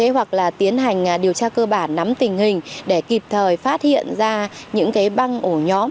hoặc là tiến hành điều tra cơ bản nắm tình hình để kịp thời phát hiện ra những băng ổ nhóm